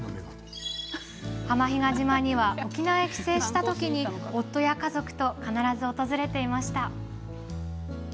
浜比嘉島には沖縄へ帰省した時に夫や家族と必ず訪れていました。